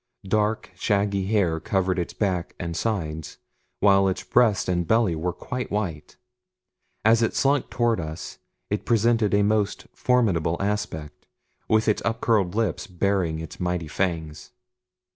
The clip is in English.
Dark, shaggy hair covered its back and sides, while its breast and belly were quite white. As it slunk toward us it presented a most formidable aspect with its upcurled lips baring its mighty fangs.